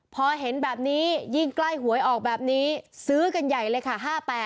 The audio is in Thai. พอเห็นแบบนี้ยิ่งใกล้หวยออกแบบนี้ซื้อกันใหญ่เลยค่ะ๕๘